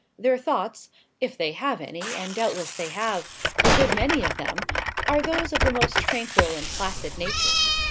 Their thoughts if they have any, and doubtless they have, a good many of them are those of the most tranquil and placid nature.